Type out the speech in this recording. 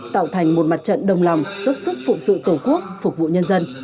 tạo thành một mặt trận đồng lòng giúp sức phụ sự tổ quốc phục vụ nhân dân